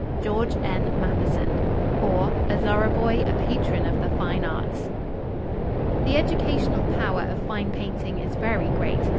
GEORGE N. MATHESON; OR, A ZORRA BOY A PATRON OF THE FINE ARTS. The educational power of fine painting is very great.